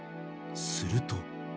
［すると］